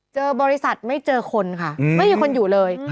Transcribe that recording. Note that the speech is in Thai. เจอบริษัทไม่เจอคนค่ะไม่มีคนอยู่เลย